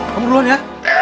kamu duluan ya